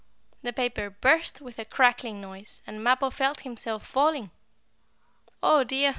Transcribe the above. The paper burst with a crackling noise, and Mappo felt himself falling. "Oh dear!"